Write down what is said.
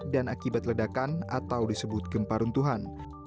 dan akibat ledakan atau disebut gempa runtuhan